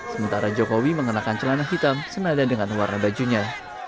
sementara jokowi mengenakan celana hitam senada dengan warna bajunya